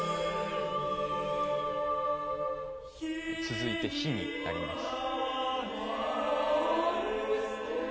続いて、火になります。